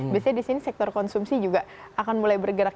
biasanya di sini sektor konsumsi juga akan mulai bergerak